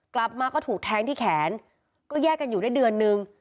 กลับมาก็ถูกแทงที่แขนก็แยกกันอยู่ได้เดือนนึง